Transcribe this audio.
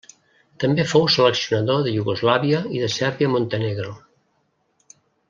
També fou seleccionador de Iugoslàvia i de Sèrbia-Montenegro.